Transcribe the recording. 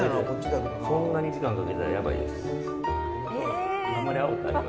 そんなに時間かけてたらやばいです。